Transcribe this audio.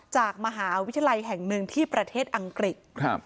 จากมหาวิทยาลัยแห่งหนึ่งที่ประเทศอังกฤษ